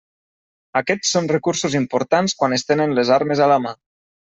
Aquests són recursos importants quan es tenen les armes a la mà.